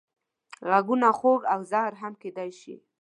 غږونه خوږ او زهر هم کېدای شي